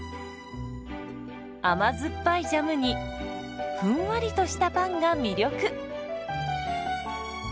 甘酸っぱいジャムにふんわりとしたパンが魅力。